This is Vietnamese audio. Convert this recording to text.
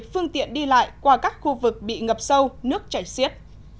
phương tiện đi lại qua các khu vực bị ngập sâu nước chảy xiết